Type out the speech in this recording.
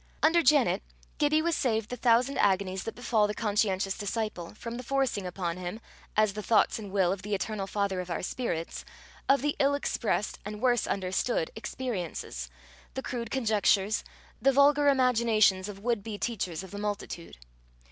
Under Janet, Gibbie was saved the thousand agonies that befall the conscientious disciple, from the forcing upon him, as the thoughts and will of the eternal Father of our spirits, of the ill expressed and worse understood experiences, the crude conjectures, the vulgar imaginations of would be teachers of the multitude.